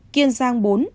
kiên giang bốn